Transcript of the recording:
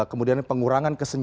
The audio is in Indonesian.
kemudian pengurangan kesenjataan